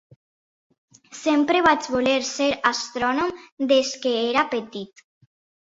Sempre vaig voler ser astrònom des que era petit.